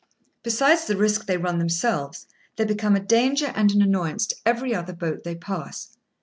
Besides the risk they run themselves, they become a danger and an annoyance to every other boat they pass.